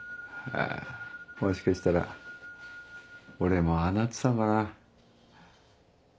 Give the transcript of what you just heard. もしかしたら俺もああなってたのかな。